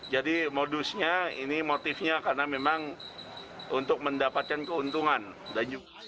jadi modusnya ini motifnya karena memang untuk mendapatkan keuntungan